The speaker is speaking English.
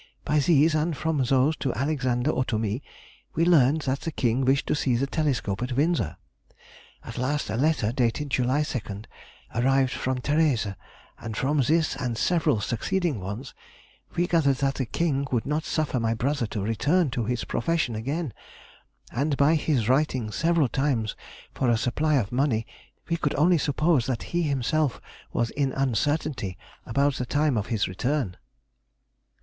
By these, and from those to Alexander or to me, we learned that the King wished to see the telescope at Windsor. At last a letter, dated July 2, arrived from Therese, and from this and several succeeding ones we gathered that the King would not suffer my brother to return to his profession again, and by his writing several times for a supply of money we could only suppose that he himself was in uncertainty about the time of his return.